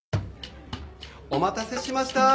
お待たせしました。